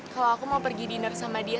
kalau aku mau pergi dinner sama dia